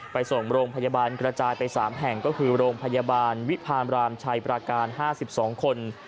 ไปส่งโรงพยาบาลกระจายไป๓แห่งก็คือโรงพยาบาลวิพามรามชัยประการ๕๒คน